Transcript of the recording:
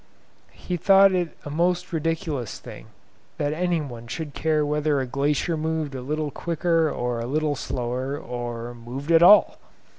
He thought it a most ridiculous thing that any one should care whether a glacier moved a little quicker or a little slower, or moved at all.